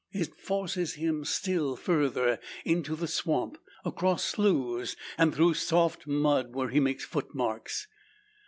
It forces him still further into the swamp across sloughs, and through soft mud, where he makes footmarks.